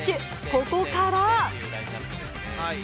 ここから。